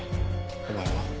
お前は？